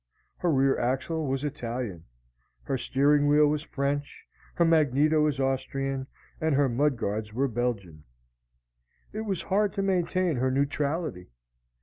Her rear axle was Italian, her steering wheel was French, her magneto was Austrian, and her mudguards were Belgian. It was hard to maintain her neutrality.